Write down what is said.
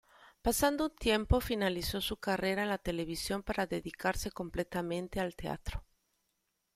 Pasado un tiempo finalizó su carrera en la televisión para dedicarse completamente al teatro.